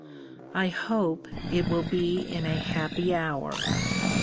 I hope it will be in a happy hour.